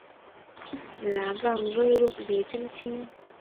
Lá vàng rơi rụng dưới chân chim